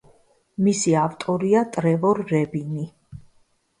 მისი ავტორია ტრევორ რებინი.